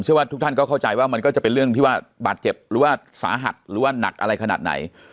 ว่าทุกท่านก็เข้าใจว่ามันก็จะเป็นเรื่องที่ว่าบาดเจ็บหรือว่าสาหัสหรือว่าหนักอะไรขนาดไหน